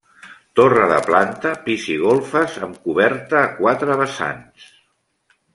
Torre de planta, pis i golfes amb coberta a quatre vessants.